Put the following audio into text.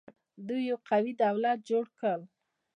دوی یو قوي دولت جوړ کړ